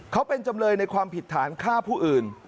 เขาเป็นจำเลยในความผิดฐานฆ่าผู้อื่น